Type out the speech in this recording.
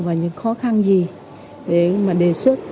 và những khó khăn gì để mà đề xuất